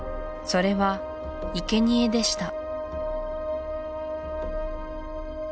それはいけにえでした